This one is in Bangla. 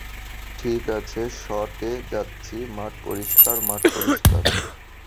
ঠিক আছে, শট এ যাচ্ছি, মাঠ পরিষ্কার, মাঠ পরিষ্কার।